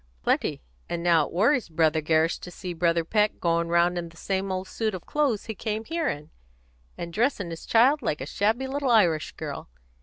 "Plenty. And now it worries Brother Gerrish to see Brother Peck going round in the same old suit of clothes he came here in, and dressing his child like a shabby little Irish girl.